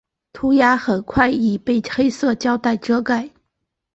涂鸦很快已被黑色胶袋遮盖。